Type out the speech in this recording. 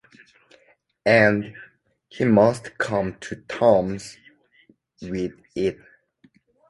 And he must come to terms with it.